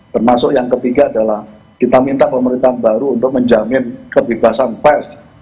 termasuk yang ketiga adalah kita minta pemerintahan baru untuk menjamin kebebasan pers